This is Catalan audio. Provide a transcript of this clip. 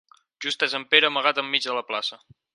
Just és en Pere amagat enmig de la plaça.